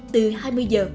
từ hai mươi giờ